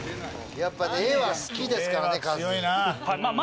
やっぱね絵は好きですからねカズ。